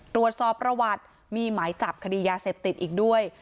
ตรวจสอบประวัติมีหมายจับคดียาเสพติดอีกด้วย